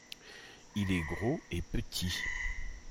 Il est gros et petit.